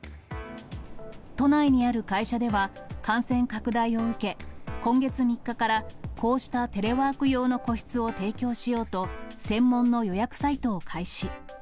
都内にある会社では、感染拡大を受け、今月３日からこうしたテレワーク用の個室を提供しようと、専門の予約サイトを開始。